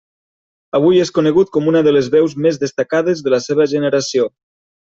Avui és conegut com una de les veus més destacades de la seva generació.